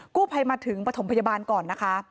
กู้ภัยมาถึงปฐมพยาบาลก่อน